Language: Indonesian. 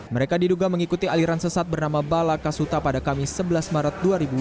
mereka diduga mengikuti aliran sesat bernama bala kasuta pada kamis sebelas maret dua ribu dua puluh